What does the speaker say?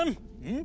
ん？